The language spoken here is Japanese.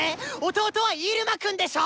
弟はイルマくんでしょ